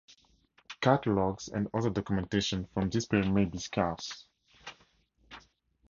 Catalogs and other documentation from this period may be scarce.